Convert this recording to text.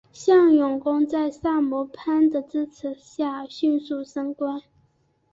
向永功在萨摩藩的支持下迅速升官。